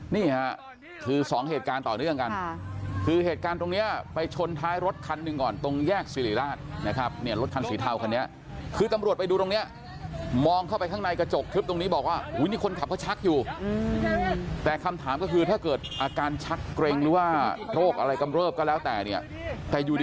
นี่ค่ะคือสองเหตุการณ์ต่อเนื่องกันคือเหตุการณ์ตรงเนี้ยไปชนท้ายรถคันหนึ่งก่อนตรงแยกสิริราชนะครับเนี่ยรถคันสีเทาคันนี้คือตำรวจไปดูตรงเนี้ยมองเข้าไปข้างในกระจกทึบตรงนี้บอกว่าอุ้ยนี่คนขับเขาชักอยู่แต่คำถามก็คือถ้าเกิดอาการชักเกร็งหรือว่าโรคอะไรกำเริบก็แล้วแต่เนี่ยแต่อยู่ดี